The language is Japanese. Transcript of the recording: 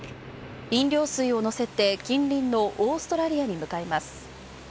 飲料水を載せて、近隣のオーストラリアに向かいます。